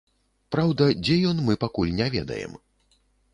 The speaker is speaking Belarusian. Праўда, дзе ён, мы пакуль не ведаем.